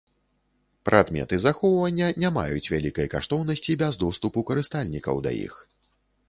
Прадметы захоўвання не маюць вялікай каштоўнасці без доступу карыстальнікаў да іх.